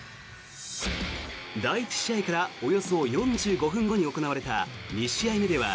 第１試合からおよそ４５分後に行われた２試合目では